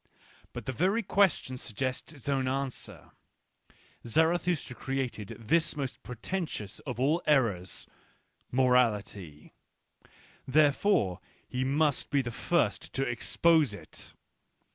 But the very question suggests its own answer. z Zarathustra created this most portentous of all errors, — morality ; therefore he must be the first to expose it.